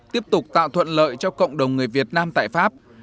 tiếp tục tạo thuận lợi cho cộng đồng người việt nam tại pháp